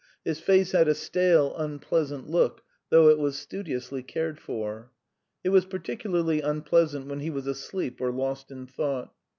His face had a stale, unpleasant look, though it was studiously cared for. It was particularly unpleasant when he was asleep or lost in thought.